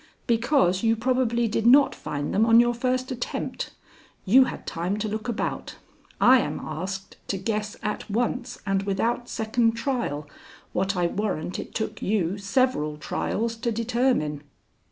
"Because you probably did not find them on your first attempt. You had time to look about. I am asked to guess at once and without second trial what I warrant it took you several trials to determine."